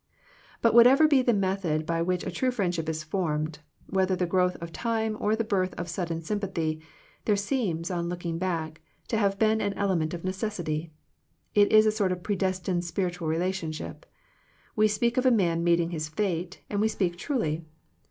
But whatever be the method by which a true friendship is formed, whether the growth of time or the birth of sudden sympathy, there seems, on looking back, to have been an element of necessity. It is a sort of predestined spiritual relation ship. We speak of a man meeting his fate, and we speak truly.